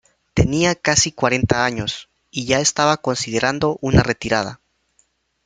Tenía casi cuarenta años, y ya estaba considerando una retirada.